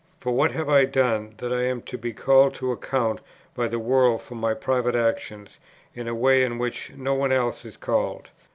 For what have I done that I am to be called to account by the world for my private actions, in a way in which no one else is called?